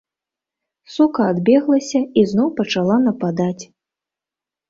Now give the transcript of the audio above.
Сука адбеглася і зноў пачала нападаць.